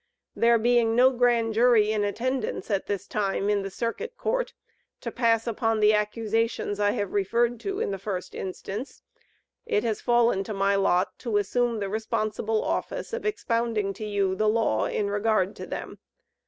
There being no Grand Jury in attendance at this time in the Circuit Court, to pass upon the accusations I have referred to in the first instance, it has fallen to my lot to assume the responsible office of expounding to you the law in regard to them.